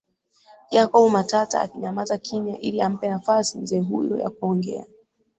Jacob Matata alinyamaza kimya ili ampe nafasi mzee huyo ya kuongea